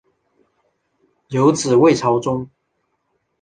有子魏朝琮。